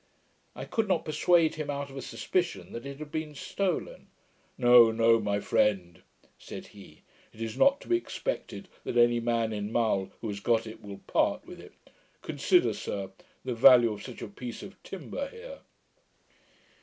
I could not persuade him out of a suspicion that it had been stolen. 'No, no, my friend,' said he, 'it is not to be expected that any man in Mull, who has got it, will part with it. Consider, sir, the value of such a PIECE OF TIMBER here!'